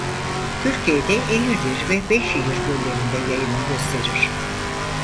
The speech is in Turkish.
Türkiye'de Eğirdir ve Beyşehir göllerinde yayılım gösterir.